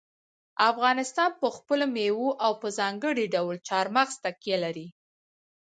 افغانستان په خپلو مېوو او په ځانګړي ډول چار مغز تکیه لري.